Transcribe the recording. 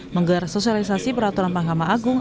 menggelar sosialisasi peraturan mahkamah agung